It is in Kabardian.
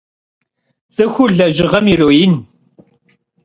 Цӏыхур лэжьыгъэм ироин.